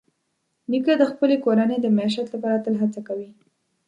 نیکه د خپلې کورنۍ د معیشت لپاره تل هڅه کوي.